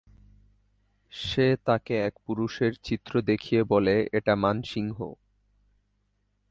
সে তাকে এক পুরুষের চিত্র দেখিয়ে বলে এটা মানসিংহ।